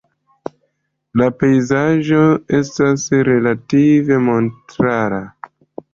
La pejzaĝo estas relative montara.